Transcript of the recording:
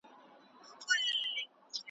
د میوند لنډۍ به وایو له تاریخ سره نڅیږو `